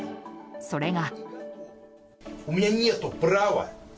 それが。